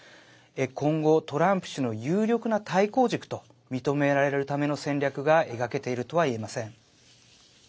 今後、トランプ氏の有力な対抗軸と認められるための戦略が描けているとはいえません。